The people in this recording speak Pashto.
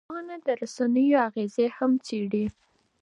ټولنپوهنه د رسنیو اغېزې هم څېړي.